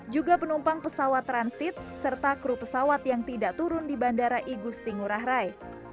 juga penumpang pesawat transit serta kru pesawat yang tidak turun di bandara igustingurang